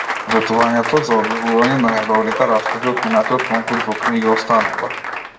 Ветувањето за објавување на најдобрите раскази од минатиот конкурс во книга останува.